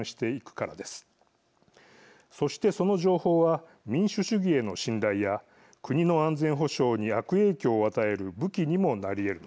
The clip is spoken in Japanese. そしてその情報は民主主義への信頼や国の安全保障に悪影響を与える武器にもなりえるのです。